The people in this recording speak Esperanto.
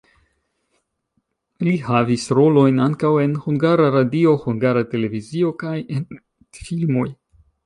Li havis rolojn ankaŭ en Hungara Radio, Hungara Televizio kaj en filmoj.